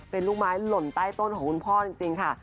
เป็นลูกไม้หล่นใต้ต้นของคุณพ่อจริงค่ะ